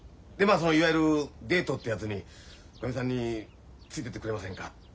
そのいわゆるデートってやつにおかみさんについてってくれませんかと思いまして。